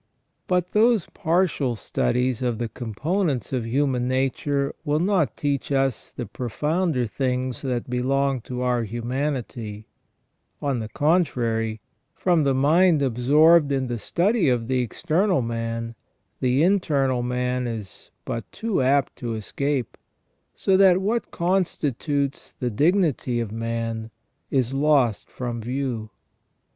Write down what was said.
But those partial studies of the components of human nature will not teach us the pro founder things that belong to our humanity; on the contrary, from the mind absorbed in the study of the external man, the internal man is but too apt to escape, so that what constitutes the dignity of man is lost from view.